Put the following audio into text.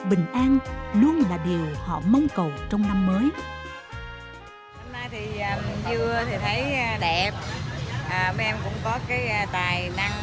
bình an luôn là điều họ mong cầu trong năm mới hôm nay thì dưa thì thấy đẹp em cũng có cái tài năng